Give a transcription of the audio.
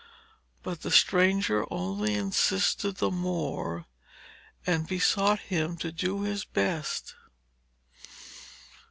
But the stranger only insisted the more, and besought him to do his best.